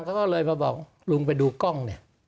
เขาก็เลยมาบอกลุงไปดูกล้องเนี่ย